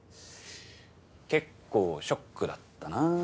結構ショックだったなぁ。